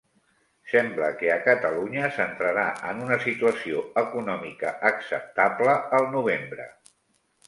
Sembla que a Catalunya s'entrarà en una situació econòmica acceptable al novembre.